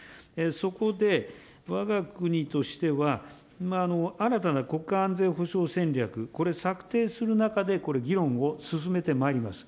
そこで、わが国としては、新たな国家安全保障戦略、これ、策定する中でこれ、議論を進めてまいります。